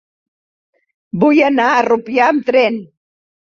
Vull anar a Rupià amb tren.